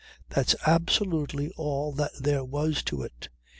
That's absolutely all that there was to it.